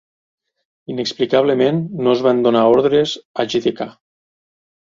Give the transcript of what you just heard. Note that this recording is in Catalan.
Inexplicablement, no es van donar ordres a G.d.K.